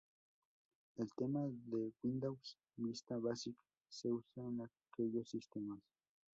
El tema de Windows Vista Basic se usa en aquellos sistemas.